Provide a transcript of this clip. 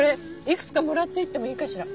いくつかもらっていってもいいかしら？